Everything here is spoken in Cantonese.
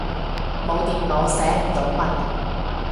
冇電腦，寫唔到文